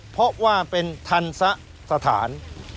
เพราะว่าเป็นทันสะสถาน